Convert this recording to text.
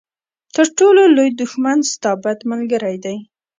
تر ټولو لوی دښمن ستا بد ملګری دی.